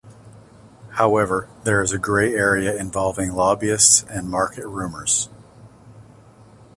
However, there is a grey area involving lobbyists and market rumours.